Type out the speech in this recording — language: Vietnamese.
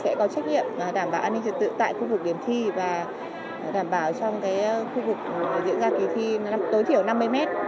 sẽ có trách nhiệm đảm bảo an ninh trật tự tại khu vực điểm thi và đảm bảo trong khu vực diễn ra kỳ thi tối thiểu năm mươi mét